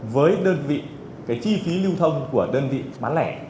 với đơn vị chi phí lưu thông của đơn vị bán lẻ